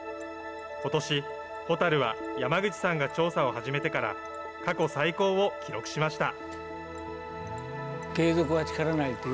ことし、ホタルは山口さんが調査を始めてから過去最高を記録しました。